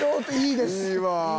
いいです。